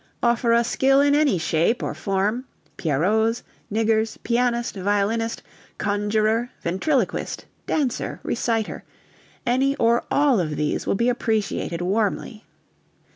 Offer us skill in any shape or form pierrots, niggers, pianist, violinist, conjurer, ventriloquist, dancer, reciter: any or all of these will be appreciated warmly.